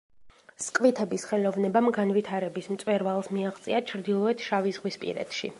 სკვითების ხელოვნებამ განვითარების მწვერვალს მიაღწია ჩრდილოეთ შავიზღვისპირეთში.